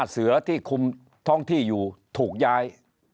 เสือที่คุมท้องที่อยู่ถูกย้าย